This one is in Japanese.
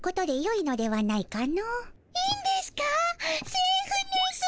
セーフですぅ。